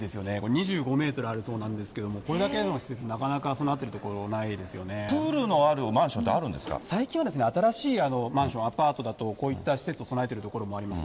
２５メートルあるそうなんですけど、これだけの施設、プールのあるマンションって最近は新しいマンション、アパートだと、こういった施設を備えている所もあります。